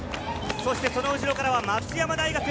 その後ろからは松山大学。